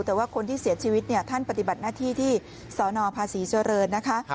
แต่ว่าคนที่เสียชีวิตท่านปฏิบัติหน้าที่ที่สนภาษีเจริญนะคะ